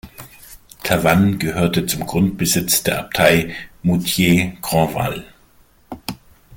Tavannes gehörte zum Grundbesitz der Abtei Moutier-Grandval.